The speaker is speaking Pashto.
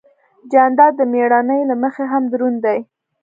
جانداد د مېړانې له مخې هم دروند دی.